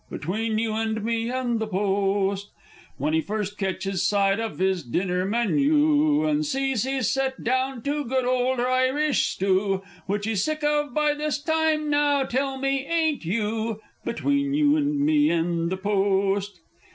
Between you and me and the Post! When he first ketches sight of his dinner menoo, And sees he's set down to good old Irish stoo Which he's sick of by this time now, tell me, ain't you? Between you and me and the Post!